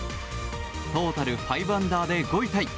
トータル５アンダーで５位タイ。